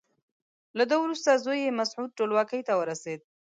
له ده وروسته زوی یې مسعود ټولواکۍ ته ورسېد.